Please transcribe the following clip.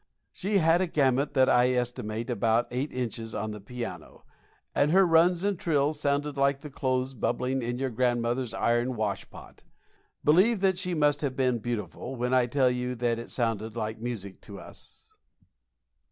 She had a gamut that I estimate at about eight inches on the piano; and her runs and trills sounded like the clothes bubbling in your grandmother's iron wash pot. Believe that she must have been beautiful when I tell you that it sounded like music to us.